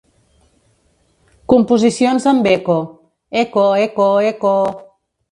Composicions amb eco —eco eco eco...